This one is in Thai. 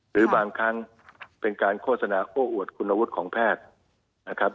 หรือบางครั้งเป็นการโฆษณาคู่อวดคุณวุฒิของแพทย์นะครับ